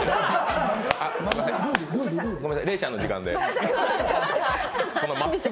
レイちゃんの時間です。